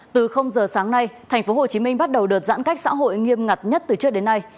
từ giờ sáng nay tp hcm bắt đầu đợt giãn cách xã hội nghiêm ngặt nhất từ trước đến nay